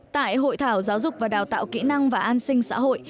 tại hội thảo giáo dục và đào tạo kỹ năng và an sinh xã hội